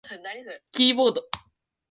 キーボード